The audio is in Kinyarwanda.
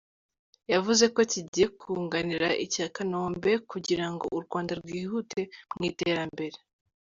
Yavuze ko kigiye kunganira icya Kanombe kugira ngo u Rwanda rwihute mu iterambere.